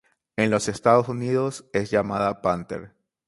En los Estados Unidos es llamada "Panther".